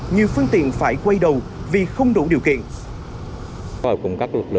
nhiều phương tiện phải quay đầu vì không đủ điều kiện